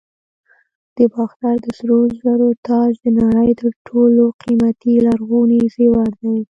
د باختر د سرو زرو تاج د نړۍ تر ټولو قیمتي لرغوني زیور دی